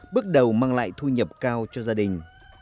bước đầu mang lại thu nhập cao cho gia đình